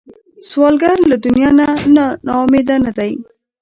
سوالګر له دنیا نه نا امیده نه دی